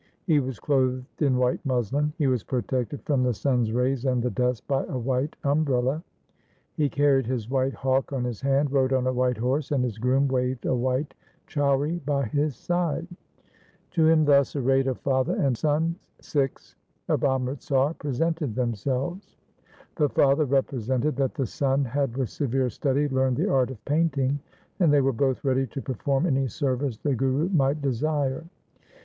He was clothed in white muslin, he was protected from the sun's rays and the dust by a white umbrella, he carried his white hawk on his hand, rode on a white horse, and his groom waved a white chauri by his side. To him thus arrayed a father and son, Sikhs of Amritsar, presented themselves. The father represented that the son had with severe study learned the art of painting, and they were both ready to perform any service the Guru might desire.